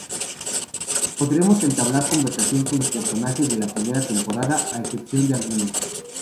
Podremos entablar conversación con los personajes de la primera temporada, a excepción de algunos.